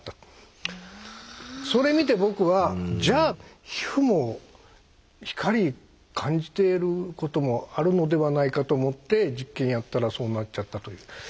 それ見て僕はじゃあ皮膚も光感じてることもあるのではないかと思って実験やったらそうなっちゃったという。